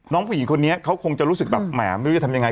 น้องผู้หญิงคนนี้เขาคงจะรู้สึกแบบแหมไม่รู้จะทำยังไง